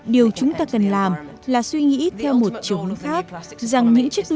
điều chúng ta cần làm là suy nghĩ theo một chứng lúc khác